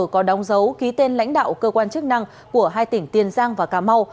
có đóng dấu ký tên lãnh đạo cơ quan chức năng của hai tỉnh tiền giang và cà mau